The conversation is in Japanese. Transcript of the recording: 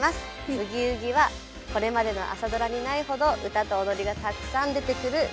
「ブギウギ」はこれまでの朝ドラにないほど歌と踊りがたくさん出てくるドラマです。